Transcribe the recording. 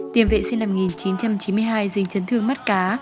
tiền vệ sinh năm một nghìn chín trăm chín mươi hai dính chấn thương mắt cá